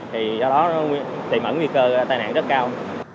thì do đó nó tìm ẩn nguy cơ tai nạn rất cao